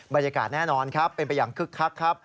บรรยากาศแน่นอนครับเป็นไปอย่างคึกคักครับ